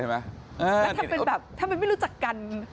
แล้วทำเป็นแบบทำไมไม่รู้จักกัน